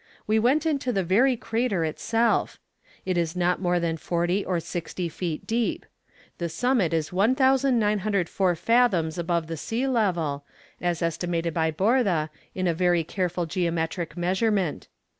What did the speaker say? We went into the very crater itself. It is not more than forty or sixty feet deep. The summit is 1904 fathoms above the sea level, as estimated by Borda in a very careful geometric measurement....